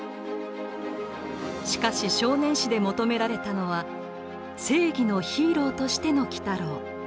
しかし少年誌で求められたのは正義のヒーローとしての鬼太郎。